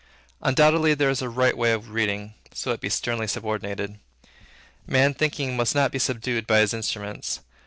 Undoubtedly there is a right way of reading, so it be sternly subordinated. Man Thinking must not be subdued by his instruments.